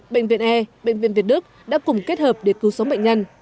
bệnh viện e bệnh viện việt đức đã cùng kết hợp để cứu sống bệnh nhân